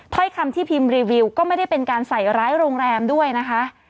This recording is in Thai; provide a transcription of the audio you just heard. ถ้อยคำที่พิมพ์รีวิวก็ไม่ได้เป็นการใส่ร้ายโรงแรมด้วยนะคะ